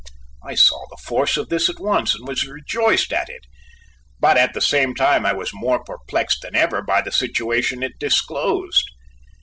I saw the force of this at once, and was rejoiced at it: but at the same time I was more perplexed than ever by the situation it disclosed.